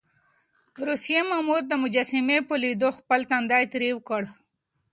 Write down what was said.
روسي مامور د مجسمې په ليدو خپل تندی تريو کړ.